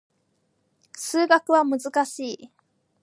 数学は難しい